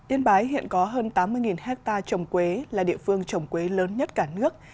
yên bái hiện có hơn tám mươi hectare trồng quế là địa phương trồng quế lớn nhất cả nước